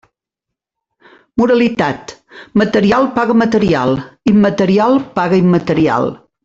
Moralitat: material paga material, immaterial paga immaterial.